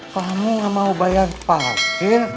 kamu gak mau bayar parkir